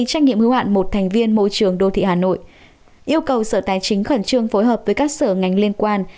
trách nhiệm hưu hạn một thành viên môi trường đô thị hà nội yêu cầu sở tài chính khẩn trương phối hợp với các sở ngành liên quan